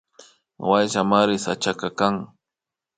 Wayllamari sachaka kan